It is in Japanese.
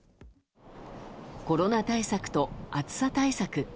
コロナ対策と暑さ対策。